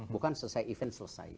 bukan selesai event selesai